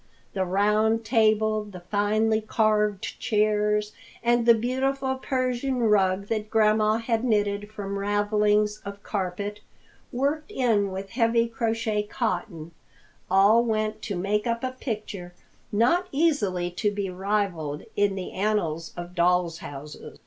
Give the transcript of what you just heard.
The round table, the finely carved chairs, and the beautiful Persian rug that Grandma had knitted from ravelings of carpet, worked in with heavy crochet cotton, all went to make up a picture not easily to be rivaled in the annals of doll's houses.